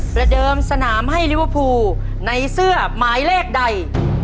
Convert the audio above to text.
ประเดิมสนามให้ลิเวอร์พูลในเสื้อหมายเลขใด